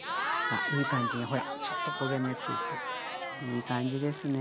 あっいい感じにほらちょっと焦げ目ついていい感じですね。